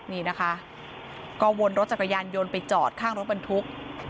นี่นะคะก็วนรถจักรยานยนต์ไปจอดข้างรถบรรทุก